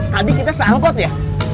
tadi kita seangkot ya